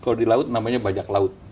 kalau di laut namanya bajak laut